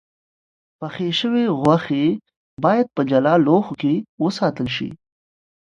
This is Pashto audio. پخې شوې غوښې باید په جلا لوښو کې وساتل شي.